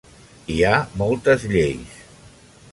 Hi ha moltes lleis.